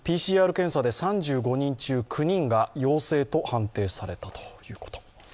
ＰＣＲ検査で３５人中９人が陽性と判定されたということ。